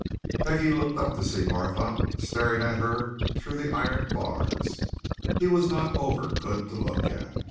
Peggie looked up to see Barthorpe staring at her through the iron bars. He was not over good to look at.